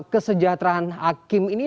kesejahteraan hakim ini